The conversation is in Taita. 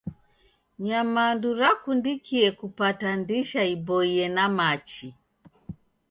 Nyamandu rakundikie kupata ndisha iboie na machi.